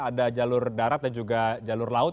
ada jalur darat dan juga jalur laut